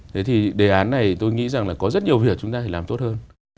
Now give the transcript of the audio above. thế thì đề án này tôi nghĩ rằng là có rất nhiều việc chúng ta phải làm tốt hơn